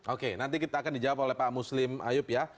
oke nanti kita akan dijawab oleh pak muslim ayub ya